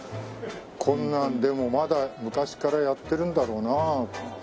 こんなんでもまだ昔からやってるんだろうな。